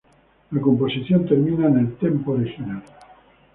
La composición termina en el tempo original.